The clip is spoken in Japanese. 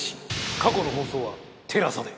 過去の放送はＴＥＬＡＳＡで。